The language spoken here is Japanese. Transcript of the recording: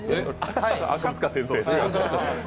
赤塚先生。